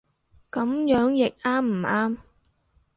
噉樣譯啱唔啱